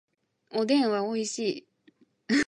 おでんはおいしい